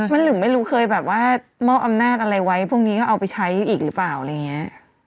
มันหรือไม่รู้เคยแบบว่ามอบอำนาจอะไรไว้พวกนี้ก็เอาไปใช้อีกหรือเปล่าอะไรอย่างนี้